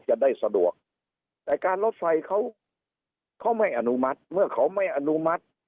จะได้สะดวกแต่การรถไฟเขาเขาไม่อนุมัติเมื่อเขาไม่อนุมัติ